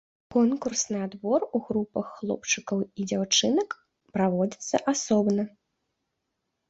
Конкурсны адбор у групах хлопчыкаў і дзяўчынак праводзіцца асобна.